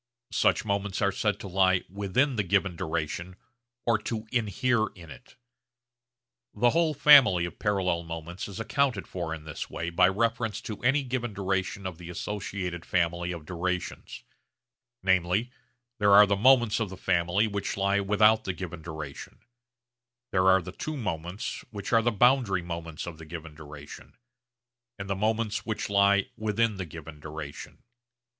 Such moments are said to lie 'within' the given duration or to 'inhere' in it. The whole family of parallel moments is accounted for in this way by reference to any given duration of the associated family of durations. Namely, there are moments of the family which lie without the given duration, there are the two moments which are the boundary moments of the given duration, and the moments which lie within the given duration.